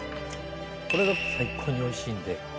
これが最高においしいので。